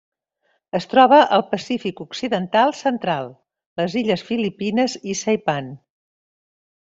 Es troba al Pacífic occidental central: les illes Filipines i Saipan.